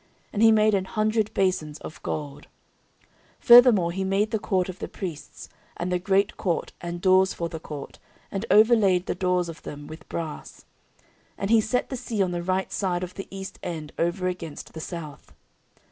And he made an hundred basons of gold. 14:004:009 Furthermore he made the court of the priests, and the great court, and doors for the court, and overlaid the doors of them with brass. 14:004:010 And he set the sea on the right side of the east end, over against the south.